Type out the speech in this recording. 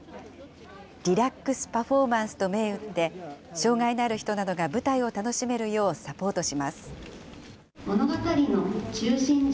リラックス・パフォーマンスと銘打って、障害のある人などが舞台を楽しめるようサポートします。